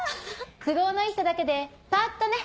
都合のいい人だけでパっとね！